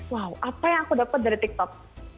wow apa yang aku dapat dari tiktok